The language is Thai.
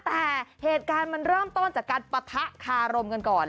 แต่เหตุการณ์มันเริ่มต้นจากการปะทะคารมกันก่อน